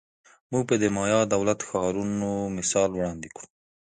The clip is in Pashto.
موږ به د مایا دولت ښارونو مثال وړاندې کړو